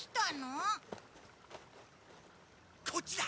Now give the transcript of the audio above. あっ！